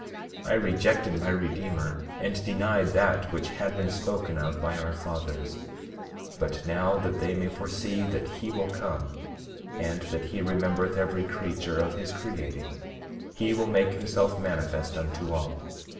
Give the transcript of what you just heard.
27:30 I rejected my Redeemer, and denied that which had been spoken of by our fathers; but now that they may foresee that he will come, and that he remembereth every creature of his creating, he will make himself manifest unto all.